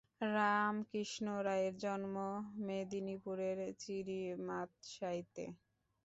রামকৃষ্ণ রায়ের জন্ম মেদিনীপুরের চিরিমাতসাইতে।